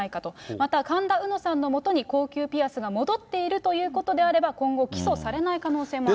また神田うのさんのもとに高級ピアスが戻っているということであれば、今後、起訴されない可能性もある。